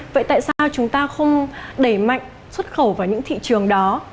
vậy tại sao chúng ta không đẩy mạnh xuất khẩu vào những thị trường đó